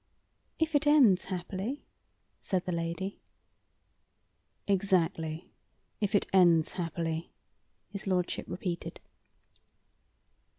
"If it ends happily," said the lady. "Exactly; if it ends happily," his lordship repeated.